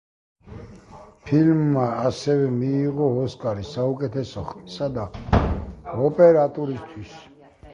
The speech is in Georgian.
ფილმმა ასევე მიიღო ოსკარი საუკეთესო ხმისა და ოპერატურისთვის.